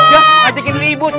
aduh kacik ini ribut